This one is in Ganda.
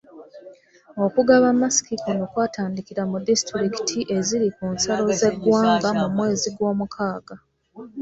Okugaba masiki kuno kwatandikira ku disitulikiti eziri ku nsalo z’eggwanga mu mwezi gw’omukaaga.